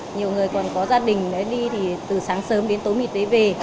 nhiều người còn có gia đình đi thì từ sáng sớm đến tối mịt đấy về